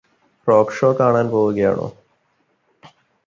rock show കാണാൻ പോവുകയാണോ